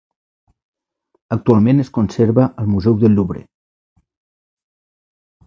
Actualment es conserva al Museu del Louvre.